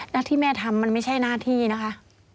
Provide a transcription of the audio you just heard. แล้วที่แม่ทำมันไม่ใช่หน้าที่นะคะ